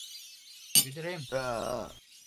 — Ӱдырем!